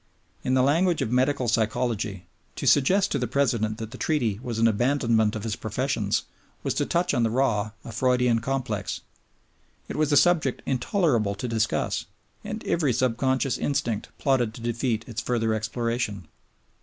In the language of medical psychology, to suggest to the President that the Treaty was an abandonment of his professions was to touch on the raw a Freudian complex. It was a subject intolerable to discuss, and every subconscious instinct plotted to defeat its further exploration.